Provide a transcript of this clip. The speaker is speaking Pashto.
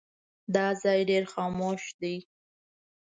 دا ځای ډېر خاموش دی.